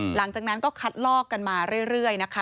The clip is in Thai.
หลังจากนั้นก็คัดลอกกันมาเรื่อยนะคะ